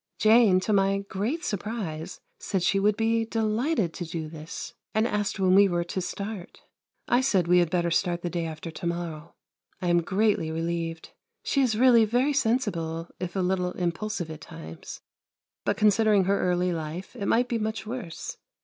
Jane, to my great surprise, said she would be delighted to do this, and asked when we were to start. I said we had better start the day after to morrow. I am greatly relieved. She is really very sensible, if a little impulsive at times; but considering her early life, it might be much worse.